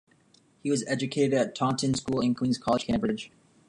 He was educated at Taunton School, and Queens' College, Cambridge.